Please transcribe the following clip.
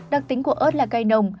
đặc tính của ớt là cay nồng